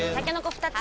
２つ！